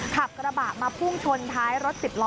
ขับกระบะมาพุ่งชนท้ายรถสิบล้อ